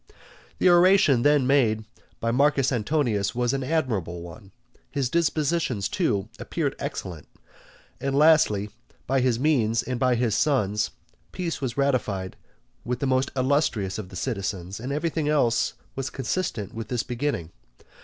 The oration then made by Marcus Antonius was an admirable one, his disposition, too, appeared excellent, and lastly, by his means and by his sons', peace was ratified with the most illustrious of the citizens, and everything else was consistent with this beginning.